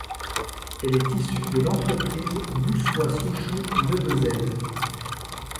Elle est issue de l'entreprise Boussois-Souchon-Neuvesel.